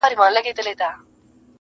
غټ بدن داسي قوي لکه زمری ؤ,